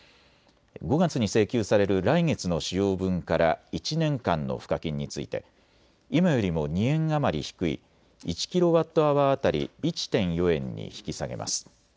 ５月に請求される来月の使用分から１年間の賦課金について今よりも２円余り低い１キロワットアワー当たり１．４円に引き下げます。